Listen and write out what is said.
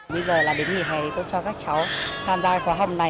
bây giờ là đến ngày hai tôi cho các cháu tham gia khóa học này